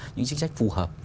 những chính sách phù hợp